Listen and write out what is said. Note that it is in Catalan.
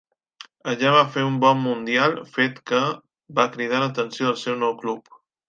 Allà va fer un bon Mundial, fet que va cridar l'atenció del seu nou club.